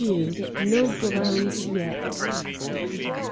No grounds yet.